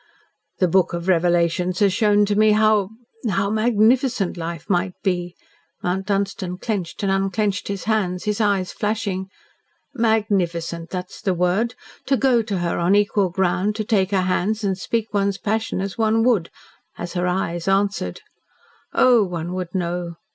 "The Book of Revelations has shown to me how how MAGNIFICENT life might be!" Mount Dunstan clenched and unclenched his hands, his eyes flashing. "Magnificent that is the word. To go to her on equal ground to take her hands and speak one's passion as one would as her eyes answered. Oh, one would know!